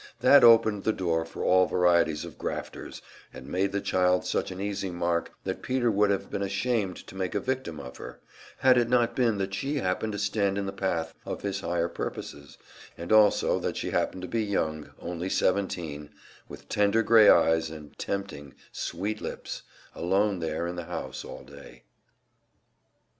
That opened the door for all varieties of grafters, and made the child such an easy mark that Peter would have been ashamed to make a victim of her, had it not been that she happened to stand in the path of his higher purposes and also that she happened to be young, only seventeen, with tender grey eyes, and tempting, sweet lips, alone there in the house all day.